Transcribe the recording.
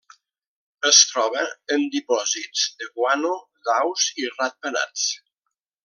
Es troba en dipòsits de guano d'aus i ratpenats.